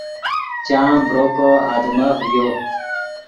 چام ڤرو کو آدمف ڤیو